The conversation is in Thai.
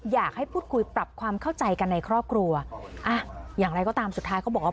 อยากให้พูดคุยปรับความเข้าใจกันในครอบครัวอ่ะอย่างไรก็ตามสุดท้ายเขาบอกว่า